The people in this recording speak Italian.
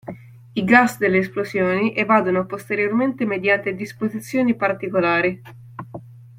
I gas delle esplosioni evadono posteriormente mediante disposizioni particolari.